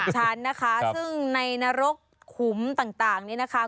ชั้นนะคะซึ่งในนรกขุมต่างนี้นะคะ